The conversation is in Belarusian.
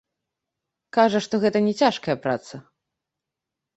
Кажа, што гэта не цяжкая праца.